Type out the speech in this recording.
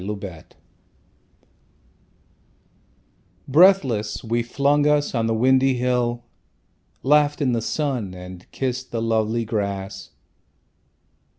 The Hill Breathless, we flung us on the windy hill, Laughed in the sun, and kissed the lovely grass.